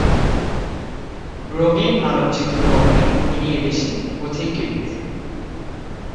রঙিন আলোকচিত্র গ্রহণে তিনি এদেশে পথিকৃৎ।